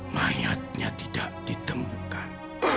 mayatnya tidak ditemukan